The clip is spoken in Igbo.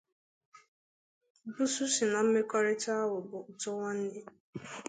Buusu sị na mmekọrịta ahụ bụ ụtọ nwanne